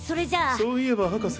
そういえば博士。